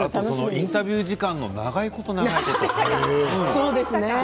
インタビューの時間の長いこと長いこと。